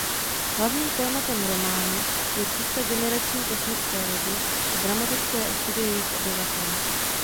Hlavním tématem románu je cesta generační kosmické lodě a dramatické osudy jejich obyvatel.